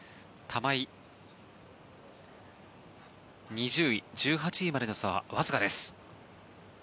２０位１８位までの差はわずかです。